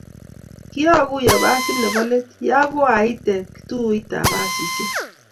kiakuwo basit nebo let ya koaite kituoitab basisiek